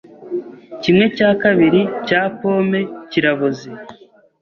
Kimwe cya kabiri cya pome kiraboze.